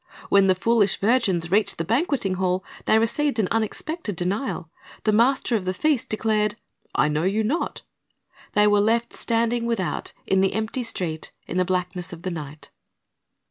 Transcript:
When the foolish virgins reached the banqueting hall, they received an unexpected denial. The master of the feast declared, "I know you not." They were left standing without, in the empty street, in the blackness of the night.